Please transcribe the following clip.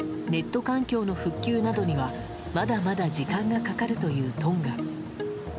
ネット環境の復旧などにはまだまだ時間がかかるというトンガ。